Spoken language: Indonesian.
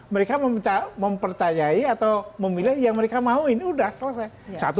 mereka mempercayai atau memilih yang mereka mau ini sudah selesai